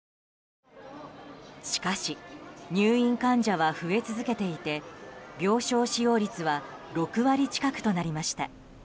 しかし入院患者は増え続けていて病床使用率は６割近くとなりました。